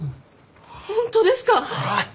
本当ですか？